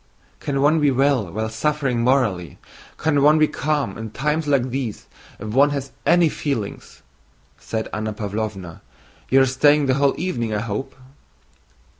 "Can one be well while suffering morally? Can one be calm in times like these if one has any feeling?" said Anna Pávlovna. "You are staying the whole evening, I hope?"